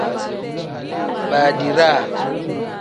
Badiraa.